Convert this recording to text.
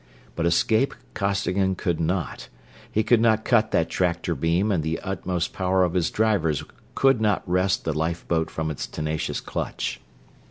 But escape Costigan could not. He could not cut that tractor beam and the utmost power of his drivers could not wrest the lifeboat from its tenacious clutch.